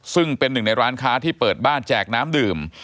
ซึ่งเป็นหนึ่งในร้านค้าที่เปิดบ้านแจกน้ำดื่ม